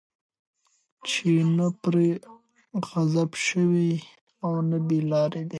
چې نه پرې غضب شوی، او نه بې لاري دي